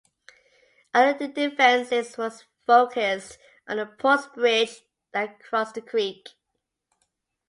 Early defences were focused on the 'Portsbridge' that crossed the creek.